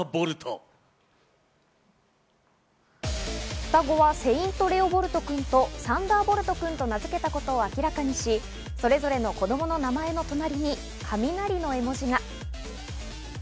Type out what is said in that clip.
双子はセイント・レオ・ボルト君とサンダー・ボルト君と名付けたことを明らかにし、それぞれの子供の名前の隣に雷の絵文字が。